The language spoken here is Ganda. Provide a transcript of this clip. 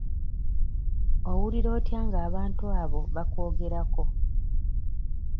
Owulira otya nga abantu abo bakwogerako?